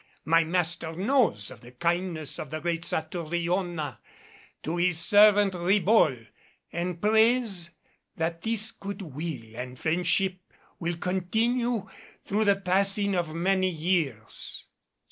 My master knows of the kindness of the great Satouriona to his servant Ribault, and prays that this good will and friendship will continue through the passing of many years."